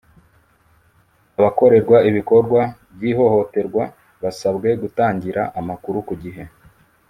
abakorerwa ibikorwa by’ ihohoterwa basabwe gutangira amakuru ku gihe